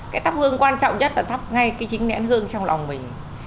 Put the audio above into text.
cái thắp hương quan trọng nhất là thắp ngay cái chính nén hương trong lòng mình